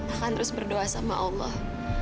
akan terus berdoa sama allah